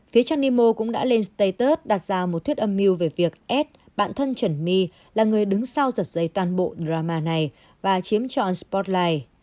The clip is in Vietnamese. phía trang nemo cũng đã lên staytus đặt ra một thuyết âm mưu về việc ed bạn thân trần my là người đứng sau giật dây toàn bộ drama này và chiếm chọn sportline